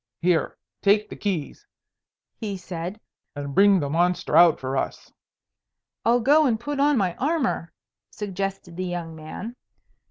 "Here, take the keys," he said, "and bring the monster out for us." "I'll go and put on my armour," suggested the young man.